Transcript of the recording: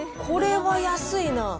これは安いな。